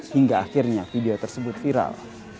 hingga akhirnya video tersebut viral